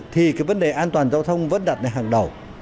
thì cái vấn đề an toàn giao thông vẫn đặt hàng đầu